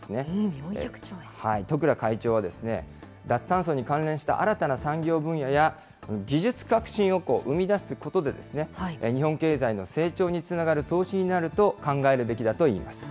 十倉会長は脱炭素に関連した新たな産業分野や技術革新を生み出すことで、日本経済の成長につながる投資になると考えるべきだといいます。